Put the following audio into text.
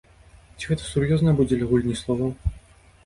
Ці гэта сур'ёзна, альбо дзеля гульні словаў?